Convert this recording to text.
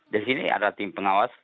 di sini ada tim pengawas